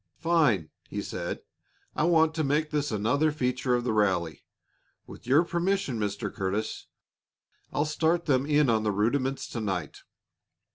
"Fine!" he said. "I want to make this another feature of the rally. With your permission, Mr. Curtis, I'll start them in on the rudiments to night.